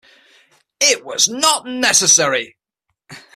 It was not necessary.